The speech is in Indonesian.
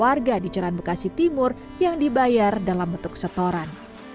warga di ceran bekasi timur yang dibayar dalam bentuk setoran